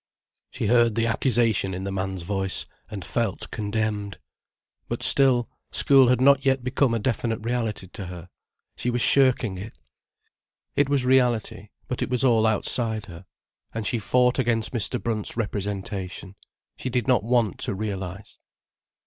She heard the accusation in the man's voice, and felt condemned. But still, school had not yet become a definite reality to her. She was shirking it. It was reality, but it was all outside her. And she fought against Mr. Brunt's representation. She did not want to realize.